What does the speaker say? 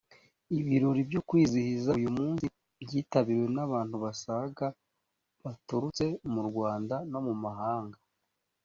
ibirori byo kwizihiza uyu munsi byitabiriwe n abantu basaga baturutse mu rwanda no mumahanga